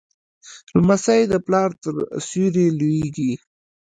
لمسی د پلار تر سیوري لویېږي.